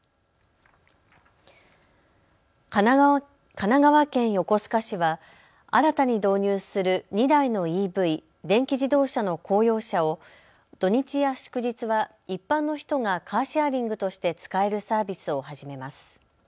神奈川県横須賀市は新たに導入する２台のＥＶ・電気自動車の公用車を土日や祝日は一般の人がカーシェアリングとして使えるサービスを始めます。